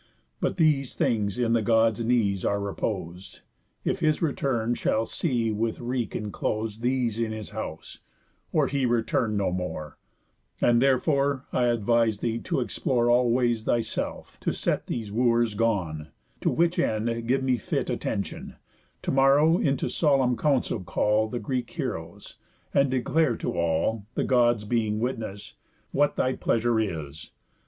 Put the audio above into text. But these things in the Gods' knees are repos'd, If his return shall see with wreak inclos'd, These in his house, or he return no more; And therefore I advise thee to explore All ways thyself, to set these wooers gone; To which end give me fit attentión: To morrow into solemn council call The Greek heroës, and declare to all (The Gods being witness) what thy pleasure is.